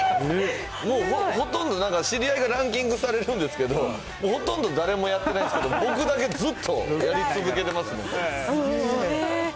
もう、ほとんどなんか、知り合いがランキングされるんですけど、もうほとんど誰もやってないんですけど、僕だけずっとやり続けてますね。